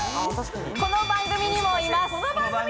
この番組にもいます！